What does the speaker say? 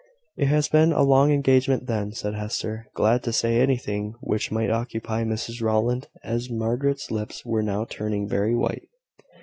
"It has been a long engagement, then," said Hester, glad to say anything which might occupy Mrs Rowland, as Margaret's lips were now turning very white.